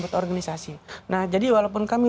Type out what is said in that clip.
untuk organisasi nah jadi walaupun kami